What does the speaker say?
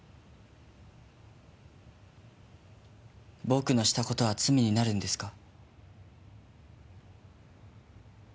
僕のした事は罪になるんですか？